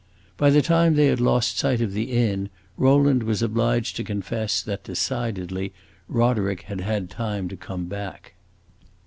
By the time they had lost sight of the inn, Rowland was obliged to confess that, decidedly, Roderick had had time to come back.